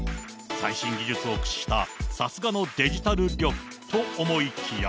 最新技術を駆使した、さすがのデジタル力と思いきや。